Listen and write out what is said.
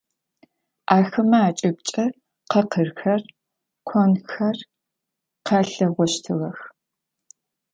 Ахэмэ акӏыбкӏэ къакъырхэр, конхэр къэлъагъощтыгъэх.